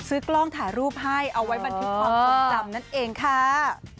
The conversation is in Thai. กล้องถ่ายรูปให้เอาไว้บันทึกความทรงจำนั่นเองค่ะ